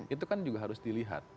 itu kan juga harus dilihat